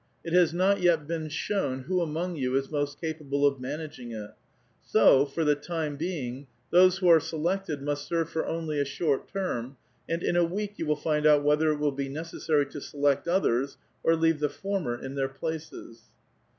It has not yet been shown who among you is most capable of managing it ; so, for the time being, those who are selected must serve for only a short term, and in a week you will find out whether it will be necessary to select others, or Jeave the former in their places."